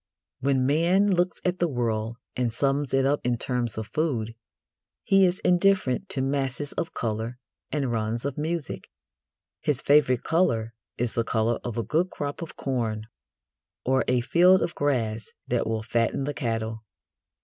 When man looks at the world and sums it up in terms of food, he is indifferent to masses of colour and runs of music. His favourite colour is the colour of a good crop of corn or a field of grass that will fatten the cattle.